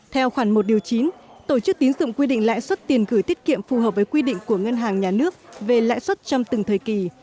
theo khoản một chín tổ chức tín dụng quy định lãi suất tiền gửi tiết kiệm phù hợp với quy định của ngân hàng nhà nước về lãi suất trong từng thời kỳ